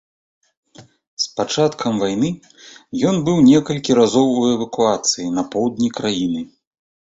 З пачаткам вайны ён быў некалькі разоў у эвакуацыі на поўдні краіны.